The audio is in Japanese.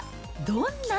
どんな？